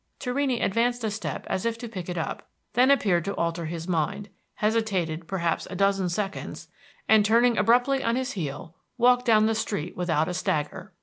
Torrini advanced a step as if to pick it up, then appeared to alter his mind, hesitated perhaps a dozen seconds, and turning abruptly on his heel walked down the street without a stagger.